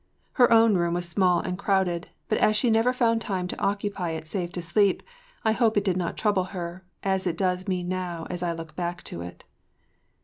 Her own room was small and crowded, but as she never found time to occupy it save to sleep I hope it did not trouble her as it does me now as I look back to it.